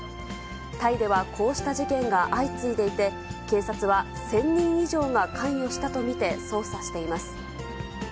タイではこうした事件が相次いでいて、警察は、１０００人以上が関与したと見て、捜査しています。